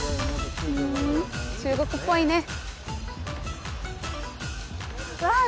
中国っぽいねわあ